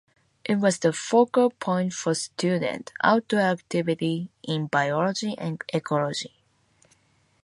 It was the focal point for student outdoor activity in biology and ecology.